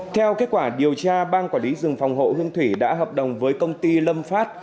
theo kết quả điều tra ban quản lý rừng phòng hộ hương thủy đã hợp đồng với công ty lâm phát